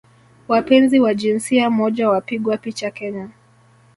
wapenzi wa jinsia moja wapigwa picha Kenya